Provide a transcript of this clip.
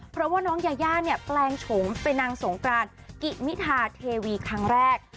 เพราะว่าน้องยาย่าเนี่ยแปลงโฉมเป็นนางสงกรานกิมิทาเทวีครั้งแรก